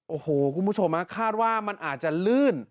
โอ้โหคุณผู้ชมคาดว่ามันอาจจะลื่น